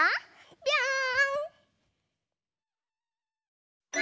ぴょん！